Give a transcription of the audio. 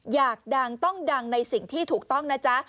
อยากดังต้องดังในสิ่งที่ถูกต้องนะจ๊ะ